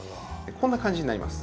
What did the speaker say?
こんな感じになります。